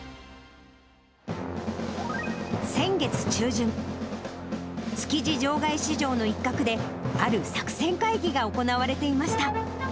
先月中旬、築地場外市場の一角で、ある作戦会議が行われていました。